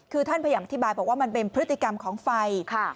คือท่านพยายามอธิบายบอกว่ามันเป็นพฤติกรรมของไฟ